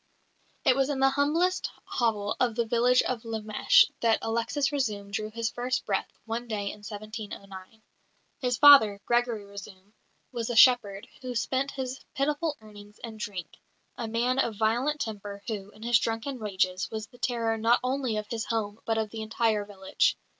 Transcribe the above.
It was in the humblest hovel of the village of Lemesh that Alexis Razoum drew his first breath one day in 1709. His father, Gregory Razoum, was a shepherd, who spent his pitiful earnings in drink a man of violent temper who, in his drunken rages, was the terror not only of his home but of the entire village.